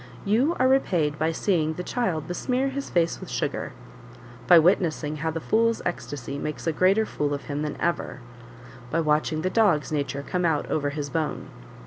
You are repaid by seeing the child besmear his face with sugar; by witnessing how the fool's ecstasy makes a greater fool of him than ever; by watching the dog's nature come out over his bone.